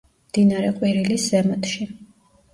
მდინარე ყვირილის ზემოთში.